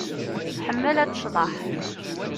Tḥemmel ad tecḍeḥ.